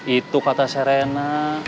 itu kata serena